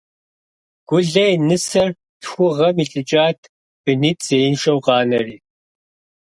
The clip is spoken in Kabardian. Гулэ и нысэр лъхугъэм илӀыкӀат, бынитӀ зеиншэу къанэри.